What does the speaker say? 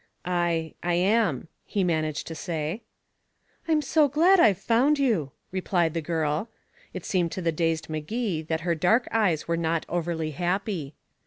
"I I am," he managed to say. "I'm so glad I've found you," replied the girl. It seemed to the dazed Magee that her dark eyes were not overly happy.